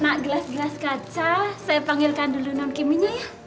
nah glass glass kaca saya panggilkan dulu nam kiminya ya